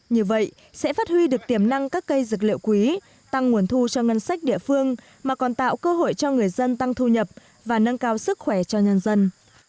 như vậy sẽ phát huy được tiềm năng các cây dược liệu quý tăng nguồn thu cho ngân sách địa phương mà còn tạo cơ hội cho người dân tăng thu nhập và nâng cao sức khỏe cho nhân dân